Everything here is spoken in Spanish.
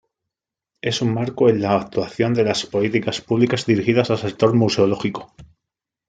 Es un marco en la actuación de las políticas públicas dirigidas al sector museológico.